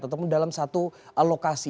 ataupun dalam satu lokasi